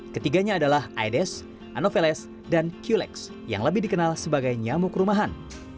ketiganya adalah aedes anopheles dan qlex yang lebih dikenal sebagai nyamuk rumahan